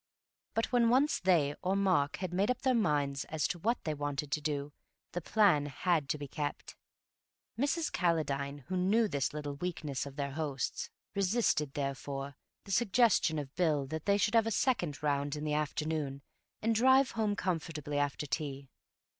But when once they (or Mark) had made up their minds as to what they wanted to do, the plan had to be kept. Mrs. Calladine, who knew this little weakness of their host's, resisted, therefore, the suggestion of Bill that they should have a second round in the afternoon, and drive home comfortably after tea.